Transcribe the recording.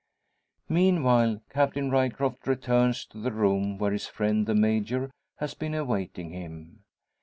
Meanwhile, Captain Ryecroft returns to the room where his friend the Major has been awaiting him.